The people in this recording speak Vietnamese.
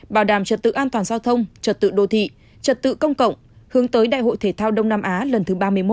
bảo đảm trật tự an toàn giao thông trật tự đô thị trật tự công cộng hướng tới đại hội thể thao đông nam á lần thứ ba mươi một